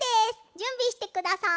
じゅんびしてください。